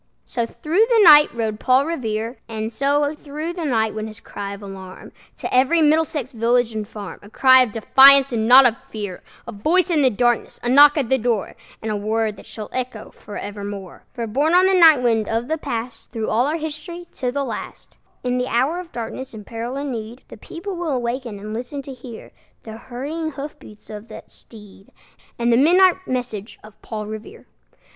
So through the night rode Paul Revere; And so through the night went his cry of alarm To every Middlesex village and farm, A cry of defiance and not of fear, A voice in the darkness, a knock at the door, And a word that shall echo forevermore! For, borne on the night wind of the Past, Through all our history, to the last, In the hour of darkness and peril and need, The people will waken and listen to hear The hurrying hoof beats of that steed, And the midnight message of Paul Revere.